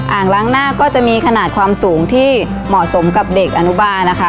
อ่างล้างหน้าก็จะมีขนาดความสูงที่เหมาะสมกับเด็กอนุบาลนะคะ